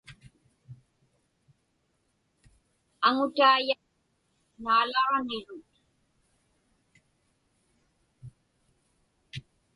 Aŋutaiyaat naalaġnirut.